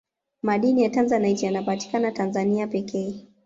madini ya tanzanite yanapatikana tanzania pekee